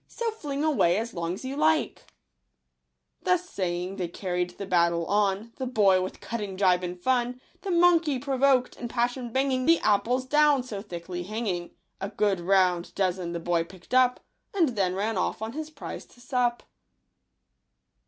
So fling away as long *s you like." Digitized by Google Thus saying they carried the battle on — The boy with cutting jibe and fun ; The monkey provoked, in passion banging The apples down, so thickly hanging. A good round dozen the boy pick'd up, And then ran off on his prize to sup.